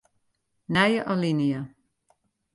Nije alinea.